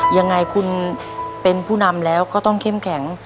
ยังไงคุณเป็นผู้นำแล้วก็ต้องเข้มแข็ง